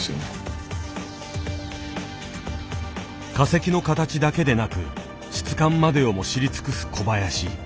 化石の形だけでなく質感までをも知り尽くす小林。